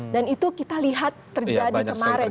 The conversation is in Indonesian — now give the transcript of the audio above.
dan itu kita lihat terjadi kemarin